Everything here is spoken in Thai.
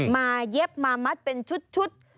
เย็บมามัดเป็นชุด